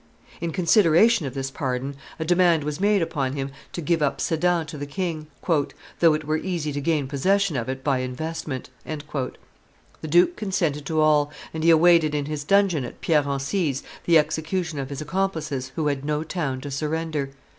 In consideration of this pardon, a demand was made upon him to give up Sedan to the king, "though it were easy to gain possession of it by investment." The duke consented to all, and he awaited in his dungeon at Pierre Bncise the execution of his accomplices who had no town to surrender.